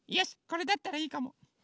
これだったらいいかも。